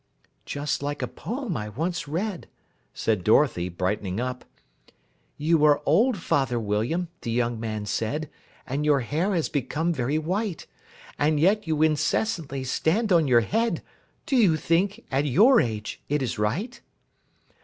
"Just like a poem I once read," said Dorothy, brightening up: "You are old, Father William," the young man said, "And your hair has become very white, And yet you incessantly stand on your head! Do you think, at your age, it is right?"